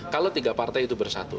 kalau tiga partai itu bersatu